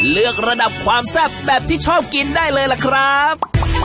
ระดับความแซ่บแบบที่ชอบกินได้เลยล่ะครับ